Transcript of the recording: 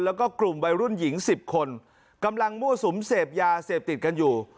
แล้วก็กลุ่มวัยรุ่นหญิงสิบคนกำลังมั่วสุมเสพยาเสพติดกันอยู่